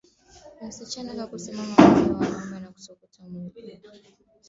Wasichana husimama mbele ya wanaume na kusokota miili huku wakiimba Oiiiyo katika kuwajibu wanaume